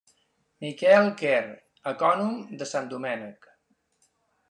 Miquel Quer ecònom de Sant Domènec.